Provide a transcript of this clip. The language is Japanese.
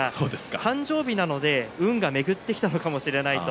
誕生日なので、運が巡ってきたかもしれないと。